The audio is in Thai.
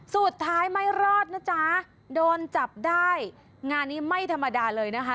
สุดท้ายไม่รอดนะจ๊ะโดนจับได้งานนี้ไม่ธรรมดาเลยนะคะ